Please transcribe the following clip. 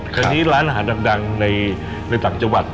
ตอนนี้ร้านอาหารดังในต่างจังหวัด